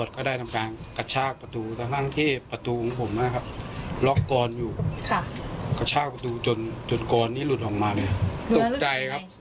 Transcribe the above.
ก็ได้ทำการกระชากประตูทั้งที่ประตูของผมนะครับล็อคกรอยู่ค่ะกระชากประตูจนจนกรนี้หลุดออกมาเลยสุขใจครับ